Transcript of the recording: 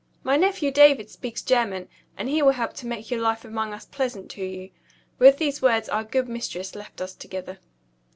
"My nephew David speaks German; and he will help to make your life among us pleasant to you." With those words our good mistress left us together.